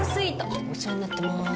お世話になってます。